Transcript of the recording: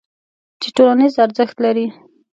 چې ټولنیز ارزښت لري.